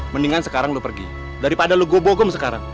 mendingan sekarang lo pergi daripada lo go bogum sekarang